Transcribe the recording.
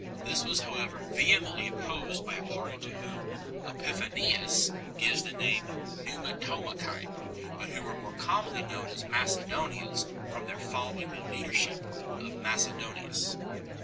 This was however vehemently opposed by a party to whom Epiphanius 3 gives the name Pneumatomachi, but who were more commonly known as Macedonians from their following the leadership of Macedonius 4